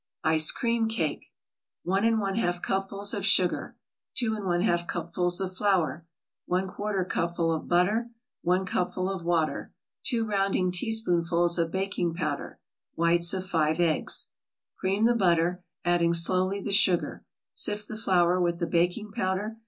ICE CREAM CAKE 1 1/2 cupfuls of sugar 2 1/2 cupfuls of flour 1/4 cupful of butter 1 cupful of water 2 rounding teaspoonfuls of baking powder Whites of five eggs Cream the butter, adding slowly the sugar. Sift the flour with the baking powder.